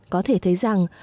có thể thấy rằng